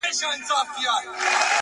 o که زر کلونه ژوند هم ولرمه،